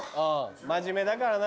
真面目だからな。